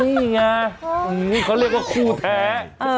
นี่ไงเขาเรียกว่าคู่แท้